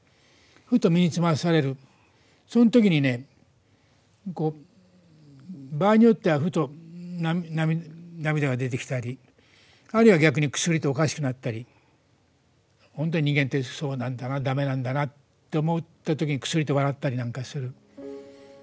ふと身につまされる、その時にね場合によってはふと涙が出てきたりあるいは逆にくすりと、おかしくなったり本当に人間ってそうなんだな、だめなんだなって思った時にくすりと笑ったりなんかする。